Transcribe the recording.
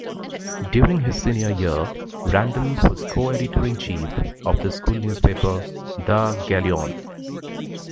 During his senior year, Randall was co-Editor-in-Chief of the school newspaper, "The Galleon".